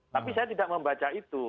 tapi saya tidak membaca itu